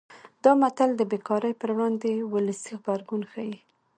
دا متل د بې کارۍ پر وړاندې ولسي غبرګون ښيي